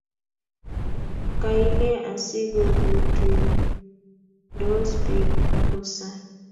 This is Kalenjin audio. Kaine asigogutunydos biik ngosae